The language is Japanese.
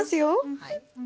はい。